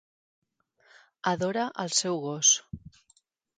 Adora el seu gos